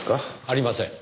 ありません。